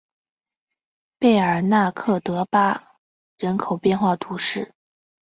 贝尔纳克德巴人口变化图示